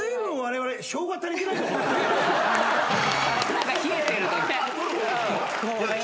何か冷えてるとね。